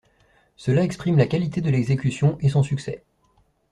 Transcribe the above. Cela exprime la qualité de l'exécution et son succès.